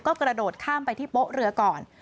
ก็กระโดดข้ามไปที่โป๊ะเรือก่อน